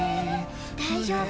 大丈夫。